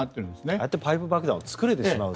ああやってパイプ爆弾を作れてしまうと。